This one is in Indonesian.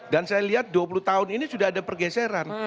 dan saya lihat dua puluh tahun ini sudah ada pergeseran